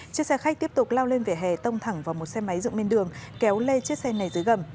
chiếc xe khách tiếp tục lao lên vỉa hè tông thẳng vào một xe máy dựng bên đường kéo lê chiếc xe này dưới gầm